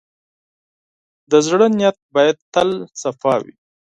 د زړۀ نیت باید تل پاک وي.